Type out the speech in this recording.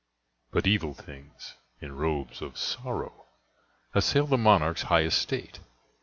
But evil things, in robes of sorrow, Assailed the monarch's high estate.